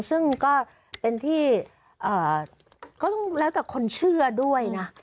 ซึ่งก็เป็นที่ก็ต้องแล้วแต่คนเชื่อด้วยนะ